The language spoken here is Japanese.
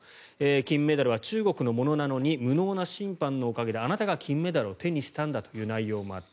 金メダルは中国のものなのに無能な審判のおかげであなたが金メダルを手にしたんだという内容もあった。